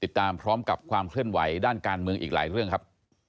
ติดตามพร้อมกับความเคลื่อนไหวด้านการเมืองอีกหลายเรื่องครับ